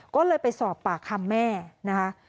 ก็เลยไปสอบปากคำแม่นะคะ